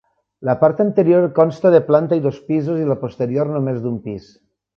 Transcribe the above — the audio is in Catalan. La part anterior consta de planta i dos pisos i la posterior només d'un pis.